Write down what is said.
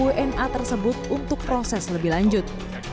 wna tersebut untuk proses lebih lanjut